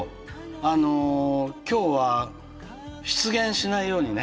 あの今日は失言しないようにね。